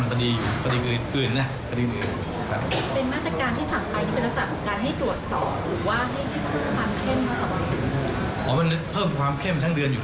และผลเอกพระยุจรรย์โอชานายกรัฐมนตรีฝ่ายความไม่ประมาทค่ะ